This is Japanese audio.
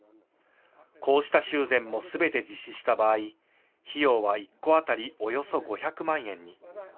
こうした修繕もすべて実施した場合、費用は１戸当たりおよそ５００万円に。